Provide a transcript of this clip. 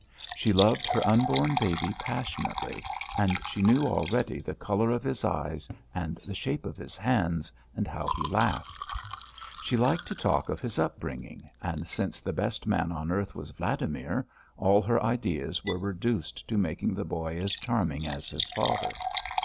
She loved her unborn baby passionately, and she knew already the colour of his eyes and the shape of his hands and how he laughed. She liked to talk of his upbringing, and since the best man on earth was Vladimir, all her ideas were reduced to making the boy as charming as his father.